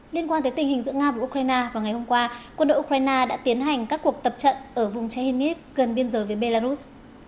liên quan tới tình hình giữa nga và ukraine vào ngày hôm qua quân đội ukraine đã tiến hành các cuộc tập trận ở vùng chehiniv gần biên giới với belarus